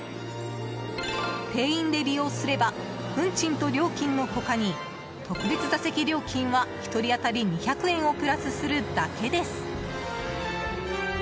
定員で利用すれば運賃と料金の他に特別座席料金は一人当たり２００円をプラスするだけです。